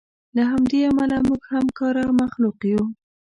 له همدې امله موږ همکاره مخلوق یو.